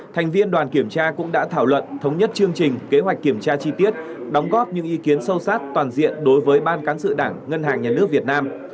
thành viên đoàn kiểm tra cũng đã thảo luận thống nhất chương trình kế hoạch kiểm tra chi tiết đóng góp những ý kiến sâu sát toàn diện đối với ban cán sự đảng ngân hàng nhà nước việt nam